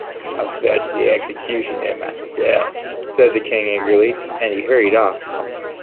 ‘I’ll fetch the executioner myself,’ said the King eagerly, and he hurried off.